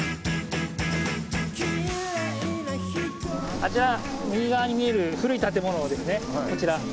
あちら右側に見える古い建物ですねこちら。